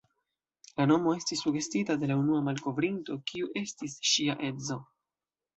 La nomo estis sugestita de la unua malkovrinto, kiu estis ŝia edzo.